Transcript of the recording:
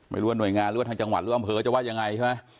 หน่วยงานหรือว่าทางจังหวัดหรืออำเภอจะว่ายังไงใช่ไหม